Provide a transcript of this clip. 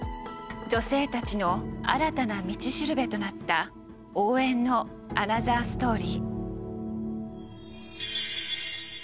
女性たちの新たな道しるべとなった応援のアナザーストーリー。